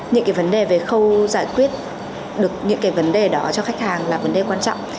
những cái vấn đề về khâu giải quyết được những cái vấn đề đó cho khách hàng là vấn đề quan trọng